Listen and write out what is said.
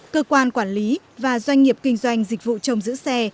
cơ quan quản lý và doanh nghiệp kinh doanh dịch vụ trông giữ xe